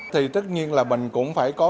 thì tất nhiên là mình cũng phải có